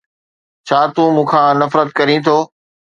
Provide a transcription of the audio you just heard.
ڇا تون مون کان نفرت ڪرين ٿو؟